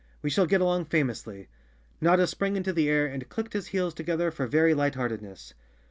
We shall get along famously." Notta sprang into the air and clicked his heels together for very light heart¬ edness.